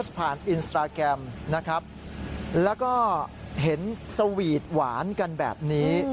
ผ่านอินสตราแกรมนะครับแล้วก็เห็นสวีทหวานกันแบบนี้